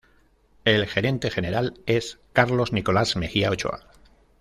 El gerente general es Carlos Nicolás Mejía Ochoa.